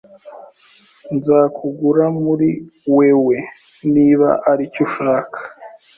Nzakugura muri wewe niba aricyo ushaka.